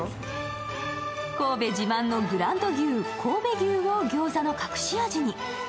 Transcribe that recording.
神戸自慢のブランド牛・神戸牛をギョーザの隠し味に。